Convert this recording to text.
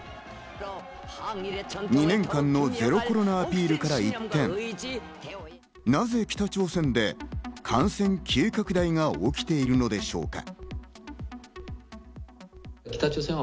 ２年間のゼロコロナアピールから一転、なぜ北朝鮮で感染急拡大が起きているのでしょうか？